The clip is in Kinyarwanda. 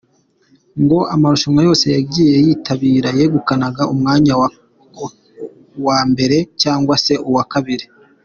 Ngo amarushanwa yose yagiye yitabira yegukanaga umwanya wa wa mbere cyangwa se uwa kabiri.